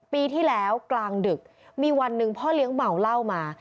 ปีที่แล้วกลางดึกมีวันหนึ่งพ่อเลี้ยงเมาเหล้ามา